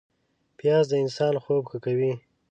پیاز د انسان خوب ښه کوي